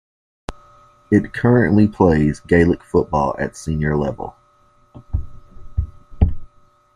It currently plays Gaelic football at Senior level.